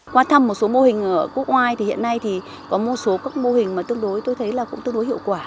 qua thăm một số mô hình ở quốc ngoài thì hiện nay thì có một số các mô hình mà tương đối tôi thấy là cũng tương đối hiệu quả